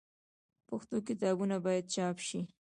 پښتو کتابونه باید چاپ سي.